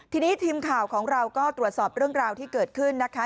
ทีนี้ทีมข่าวของเราก็ตรวจสอบเรื่องราวที่เกิดขึ้นนะคะ